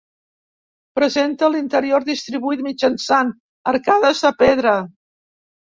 Presenta l'interior distribuït mitjançant arcades de pedra.